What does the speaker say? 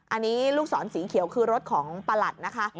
อันนี้ลูกศรสีเขียวคือรถของประหลัดนะคะ